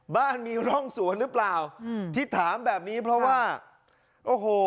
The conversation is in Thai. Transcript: บ้านมีร่องสวนหรือเปล่าอืมที่ถามแบบนี้เพราะว่าโอ้โห